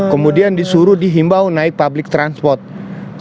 kemudian disuruh dihimbau naik transportasi publik